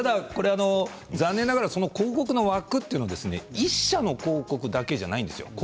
残念ながら広告の枠というのは１社の広告だけではないんです。